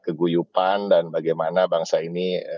keguyupan dan bagaimana bangsa ini